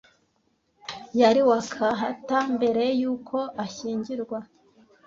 Yari Wakahata mbere yuko ashyingirwa.